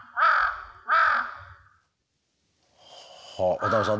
渡辺さん